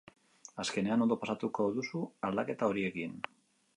Azkenean ondo pasatuko duzu aldaketa horiekin.